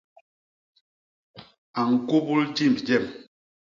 A ñkubul jimb jem.